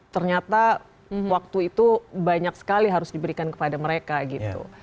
ternyata waktu itu banyak sekali harus diberikan kepada mereka gitu